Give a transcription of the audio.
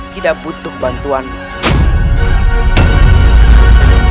tidak butuh bantuanmu